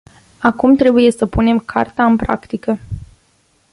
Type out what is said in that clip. Acum trebuie să punem carta în practică.